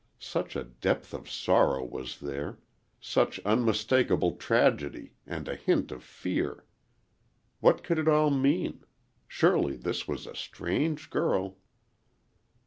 Such a depth of sorrow was there, such unmistakable tragedy and a hint of fear. What could it all mean? Surely this was a strange girl.